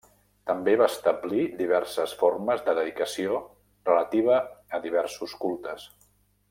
També va establir diverses formes de dedicació relativa a diversos cultes.